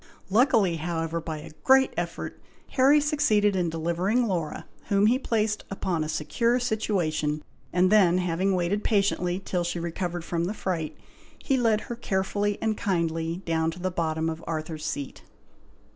Luckily, however, by a great effort, Harry succeeded in delivering Laura, whom he placed upon a secure situation, and then, having waited patiently till she recovered from the fright, he led her carefully and kindly down to the bottom of Arthur's Seat.